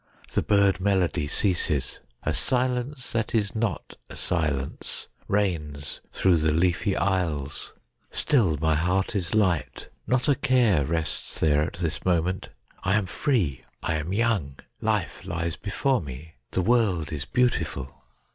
The bird melody ceases ; a silence that is not a silence reigns through the leafy aisles. Still my heart is light. Not a care rests there at this moment. I am free. I am young. Life lies before me. The world is beautiful.